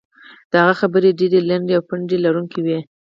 د هغه خبرې ډېرې لنډې او پند لرونکې وې.